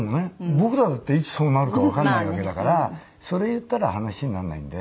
僕らだっていつそうなるかわかんないわけだからそれ言ったら話にならないんで。